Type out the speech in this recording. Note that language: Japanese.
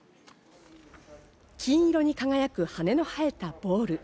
黄色に輝く羽の生えたボール。